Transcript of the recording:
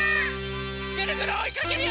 ぐるぐるおいかけるよ！